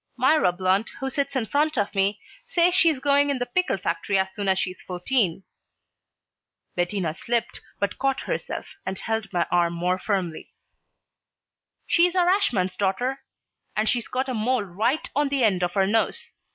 "Myra Blunt, who sits in front of me, says she's going in the pickle factory as soon as she's fourteen." Bettina slipped, but caught herself, and held my arm more firmly. "She's our ashman's daughter, and she's got a mole right on the end of her nose.